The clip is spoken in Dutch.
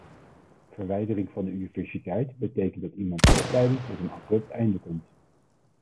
Verwijdering van de universiteit betekent dat iemands opleiding tot een abrupt einde komt.